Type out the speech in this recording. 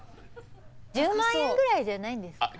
１０万円ぐらいじゃないんですか。